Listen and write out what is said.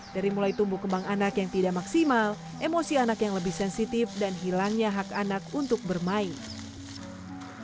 dari mulai tumbuh kembang anak yang tidak maksimal emosi anak yang lebih sensitif dan hilangnya hak anak untuk bermain